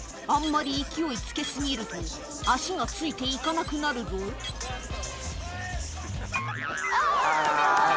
あんまり勢いつけ過ぎると足がついて行かなくなるぞあぁ。